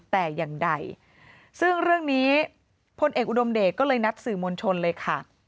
แต่อย่างใดซึ่งเรื่องนี้พลเอกอุดมเดชก็เลยนัดสื่อมวลชนเลยค่ะ